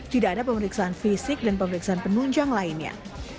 tidak ada pemeriksaan fisik dan pemeriksaan penunjang lainnya